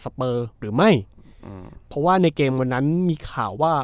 เปอร์หรือไม่อืมเพราะว่าในเกมวันนั้นมีข่าวว่า